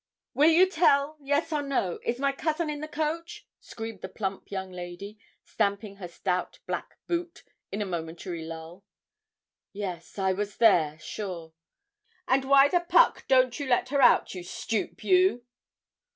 'Will you tell yes or no is my cousin in the coach?' screamed the plump young lady, stamping her stout black boot, in a momentary lull. Yes, I was there, sure. 'And why the puck don't you let her out, you stupe, you?'